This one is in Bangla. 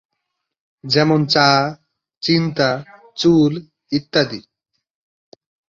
যেমন "চা", "চিন্তা", "চুল", ইত্যাদি।